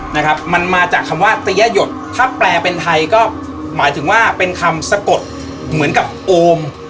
นะครับมันมาจากคำว่าเตี้ยหยดถ้าแปลเป็นไทยก็หมายถึงว่าเป็นคำสะกดเหมือนกับโอม